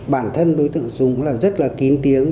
bản thân đối tượng súng là rất là kín tiếng